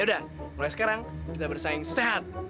udah mulai sekarang kita bersaing sehat